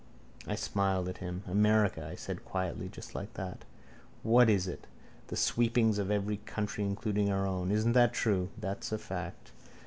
I smiled at him. America, I said quietly, just like that. What is it? The sweepings of every country including our own. Isn't that true? That's a fact.